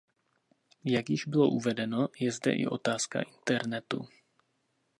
Jak bylo již uvedeno, je zde i otázka internetu.